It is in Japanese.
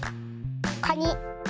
カニ。